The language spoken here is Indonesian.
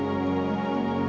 kamu selalu mint